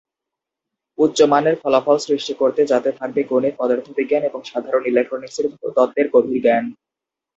উচ্চমানের ফলাফল সৃষ্টি করতে যাতে থাকবে গণিত, পদার্থবিজ্ঞান এবং সাধারণ ইলেকট্রনিক্সের তত্ত্বের গভীর জ্ঞান।